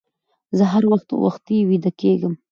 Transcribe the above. زه هر وخت وختي ويده کيږم